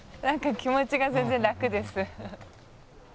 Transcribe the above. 何か気持ちが全然楽です。